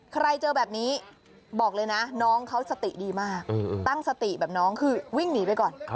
ใครเจอแบบนี้บอกเลยนะน้องเขาสติดีมากตั้งสติแบบน้องคือวิ่งหนีไปก่อน